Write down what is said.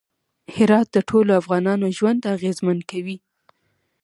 هرات د ټولو افغانانو ژوند اغېزمن کوي.